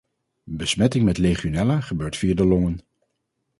Besmetting met legionella gebeurt via de longen.